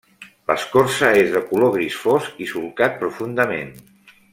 L'escorça és de color gris fosc i solcat profundament.